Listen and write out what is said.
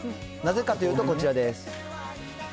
なぜかというと、こちらです。